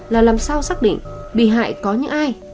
là làm sao xác định bị hại có những ai